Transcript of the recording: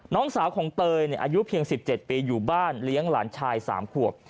น้องสาวของเตยอายุเพียง๑๗ปีอยู่บ้านเลี้ยงหลานชาย๓ขวบ